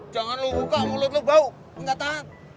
jangan lu buka mulut lu bau enggak tahan